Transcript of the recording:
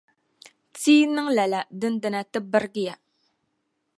Ti yi niŋ lala dindina ti birigiya.